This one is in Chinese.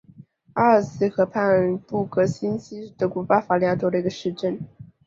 阿尔茨河畔布格基兴是德国巴伐利亚州的一个市镇。